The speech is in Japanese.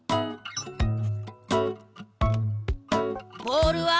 ボールは！？